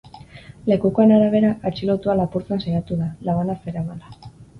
Lekukoen arabera, atxilotua lapurtzen saiatu da, labana zeramala.